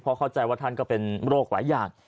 เพราะเข้าใจว่าท่านก็เป็นโรคหลายอย่าง